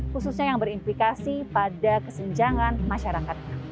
khususnya yang berimplikasi pada kesenjangan masyarakatnya